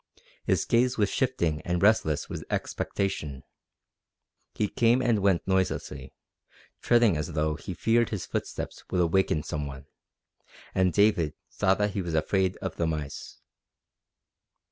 His gaze was shifting and restless with expectation. He came and went noiselessly, treading as though he feared his footsteps would awaken some one, and David saw that he was afraid of the mice.